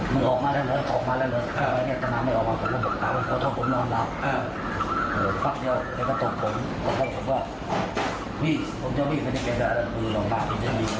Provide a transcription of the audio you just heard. นี่ผมจะวิ่งมันจะแก่ไหว้ด้านหลังปากที่นี่